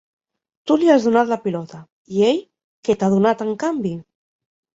Tu li has donat la pilota; i ell, què t'ha donat en canvi?